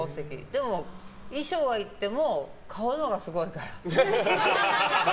でも、衣装があっても顔のほうがすごいから。